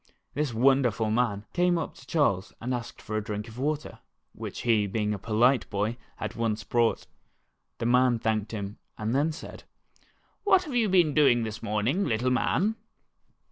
This wonderful man came up to A Quick Running Squash. 3 Charles and asked for a drink of water, which he, being a polite boy, at once brought. The man thanked him, and then said : "What have you been doing this morning, little man?"